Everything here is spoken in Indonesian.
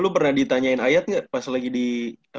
lu pernah ditanyain ayat nggak pas lagi di